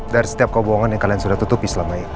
dari setiap kebohongan yang kalian sudah tutupi selama ini